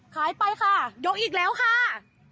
ขายไปค่ะยกอีกแล้วค่ะ